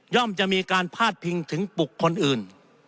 ย่อมจะมีการพาดพิงถึงปลุกคนอื่น